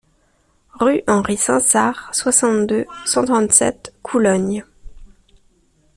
Rue Henry Sainsard, soixante-deux, cent trente-sept Coulogne